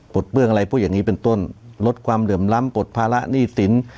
ดเบื้องอะไรพวกอย่างนี้เป็นต้นลดความเหลื่อมล้ำปลดภาระหนี้สิน